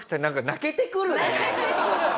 泣けてくる！